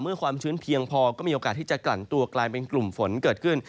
ความชื้นเพียงพอก็มีโอกาสที่จะกลั่นตัวกลายเป็นกลุ่มฝนเกิดขึ้น